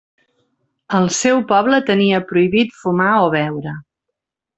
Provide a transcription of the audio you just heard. El seu poble tenia prohibit fumar o beure.